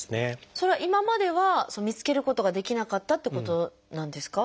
それは今までは見つけることができなかったっていうことなんですか？